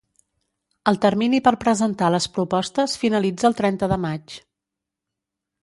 El termini per presentar les propostes finalitza el trenta de maig.